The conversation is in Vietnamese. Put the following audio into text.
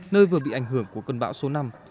nơi vừa bị ảnh hưởng của cơn bão số năm